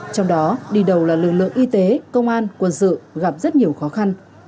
trong đó đi đầu là lực lượng y tế công an quân sự gặp rất nhiều khó khăn